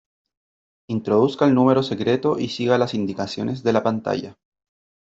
Introduzca el número secreto y siga las indicaciones de la pantalla.